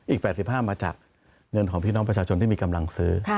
อีก๘๕มาจากเงินของพี่น้องประชาชนที่มีกำลังซื้อ